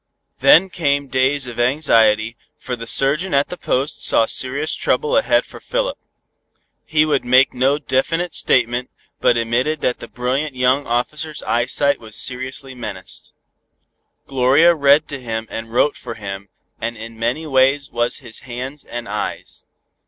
Then came days of anxiety, for the surgeon at the Post saw serious trouble ahead for Philip. He would make no definite statement, but admitted that the brilliant young officer's eyesight was seriously menaced. Gloria read to him and wrote for him, and in many ways was his hands and eyes.